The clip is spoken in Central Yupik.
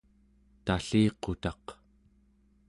talliqutaq